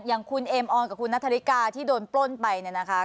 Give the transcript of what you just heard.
อย่างคุณเอมออนกับคุณนัทธริกาที่โดนปล้นไปเนี่ยนะคะ